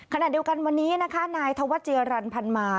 ขณะเดียวกันวันนี้นะคะนายธวัชเจียรันพันมา